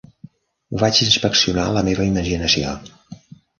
Vaig inspeccionar la meva imaginació.